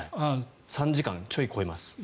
３時間ちょい超えます。